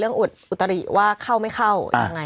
อุตริว่าเข้าไม่เข้ายังไง